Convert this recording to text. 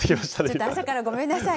ちょっと朝からごめんなさい。